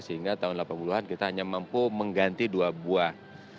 sehingga tahun delapan puluh an kita hanya mampu mengganti dua buah